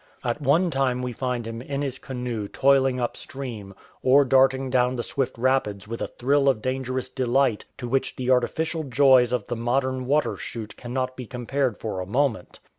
At one time we find him in his canoe toiling up stream, or darting down the swift rapids with a thrill of dangerous delight to which the artificial joys of the modern water chute cannot be compared for a moment.